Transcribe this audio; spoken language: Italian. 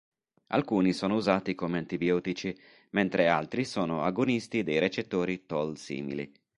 Alcuni sono usati come antibiotici, mentre altri sono agonisti dei recettori Toll-simili.